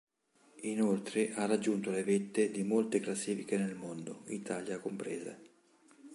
Inoltre ha raggiunto le vette di molte classifiche nel mondo, Italia compresa.